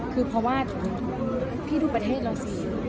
คือเพราะว่าที่ทุกประเทศรสี